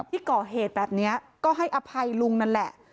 ที่ก่อเหตุแบบนี้ก็ให้อภัยลุงนั่นแหละ